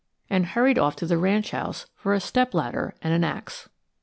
and hurried off to the ranch house for a step ladder and axe.